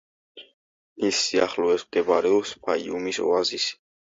მის სიახლოვეს მდებარეობს ფაიუმის ოაზისი.